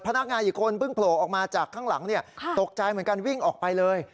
พนักงานอีกคนเพิ่งโผล่ออกมาจากข้างหลังตกใจเหมือนกันวิ่งออกไปเลย